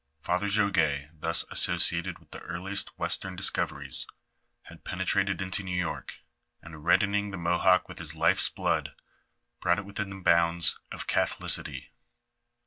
Father Jogues thus associated with the earliest western dis coveries, had penetrated into New York, and reddening the Mohawk with his life's blood, brought it within the bounds of catholicity.